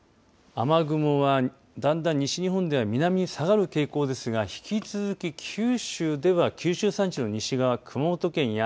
雨雲は、だんだん西日本では南に下がる傾向ですが引き続き九州では九州山地の西側熊本県や、